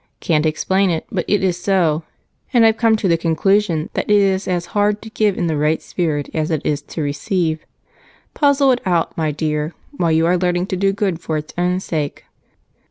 Can't explain it, but it is so, and I've come to the conclusion that it is as hard to give in the right spirit as it is to receive. Puzzle it out, my dear, while you are learning to do good for its own sake."